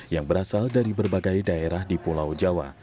yang berasal dari berbagai daerah di pulau jawa